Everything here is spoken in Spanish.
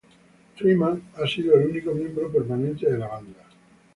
Freeman ha sido el único miembro permanente de la banda.